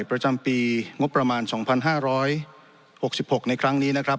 ประจำปีงบประมาณ๒๕๖๖ในครั้งนี้นะครับ